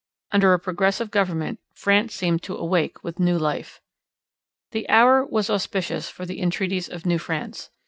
Under a progressive government France seemed to awake to new life. The hour was auspicious for the entreaties of New France.